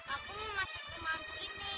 aku masih kemampu ini